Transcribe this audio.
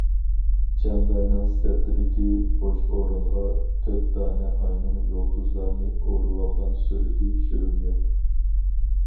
چەمبەرنىڭ سىرتىدىكى بوش ئورۇنغا تۆت دانە ئاينىڭ يۇلتۇزلارنى ئورىۋالغان سۈرىتى چۈشۈرۈلگەن.